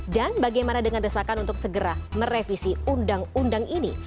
dan bagaimana dengan desakan untuk segera merevisi undang undang ini